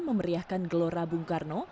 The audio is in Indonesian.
memeriahkan gelora bung karno